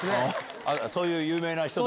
そういう有名な人と。